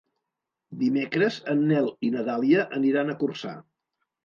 Dimecres en Nel i na Dàlia aniran a Corçà.